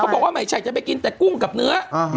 บอกว่าไม่ใช่จะไปกินแต่กุ้งกับเนื้อ